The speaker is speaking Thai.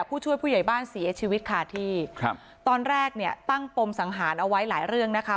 ผู้ช่วยผู้ใหญ่บ้านเสียชีวิตค่ะที่ครับตอนแรกเนี่ยตั้งปมสังหารเอาไว้หลายเรื่องนะคะ